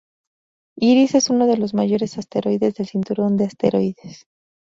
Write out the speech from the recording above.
Iris es uno de los mayores asteroides del cinturón de asteroides.